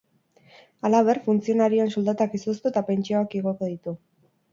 Halaber, funtzionarioen soldatak izoztu, eta pentsioak igoko ditu.